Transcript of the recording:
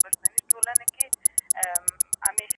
آیا دا محاسبه درسره سته، چي په تيرو پنځو لسیزو کي ستاسو په